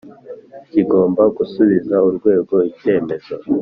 Kigomba gusubiza urwego icyemezo